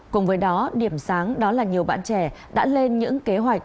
cùng với đó điểm sáng đó là nhiều bạn trẻ đã lên những kế hoạch